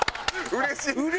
うれしい！